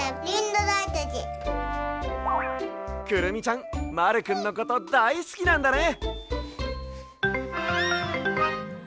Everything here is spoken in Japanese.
くるみちゃんまるくんのことだいすきなんだね。